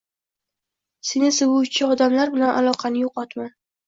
Seni sevuvchi odamlar bilan aloqani yo‘qotma.